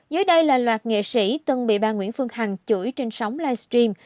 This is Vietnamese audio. dưới đây là loạt nghệ sĩ tân bị bà nguyễn phương hằng chửi trên sóng livestream